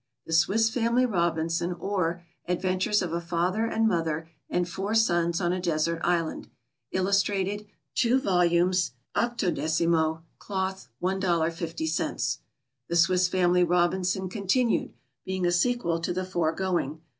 The Swiss Family Robinson; or, Adventures of a Father and Mother and Four Sons on a Desert Island. Illustrated. 2 vols., 18mo, Cloth, $1.50. The Swiss Family Robinson Continued: being a Sequel to the Foregoing.